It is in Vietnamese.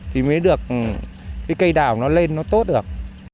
thì mới được cái cây đào nó lên nó tốt được